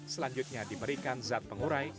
selanjutnya diberikan zat pengurai